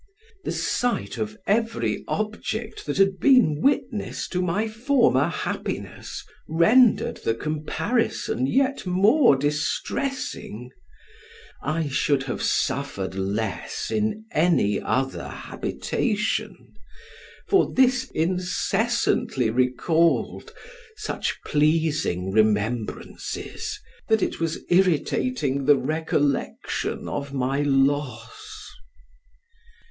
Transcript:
The sight of every object that had been witness to my former happiness, rendered the comparison yet more distressing; I should have suffered less in any other habitation, for this incessantly recalled such pleasing remembrances, that it was irritating the recollection of my loss.